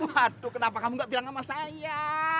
waduh kenapa kamu gak bilang sama saya